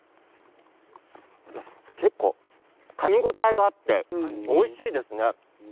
結構、かみ応えがあっておいしいですね。